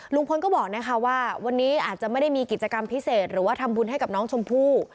ลุงพลก็บอกนะคะว่าวันนี้อาจจะไม่ได้มีกิจกรรมพิเศษหรือว่าทำบุญให้กับน้องชมพู่